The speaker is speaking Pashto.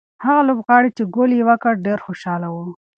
هغه لوبغاړی چې ګول یې وکړ ډېر خوشاله و.